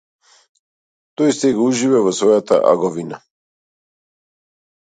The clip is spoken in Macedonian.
Тој сега ужива во својата аговина.